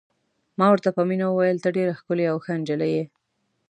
ما ورته په مینه وویل: ته ډېره ښکلې او ښه نجلۍ یې.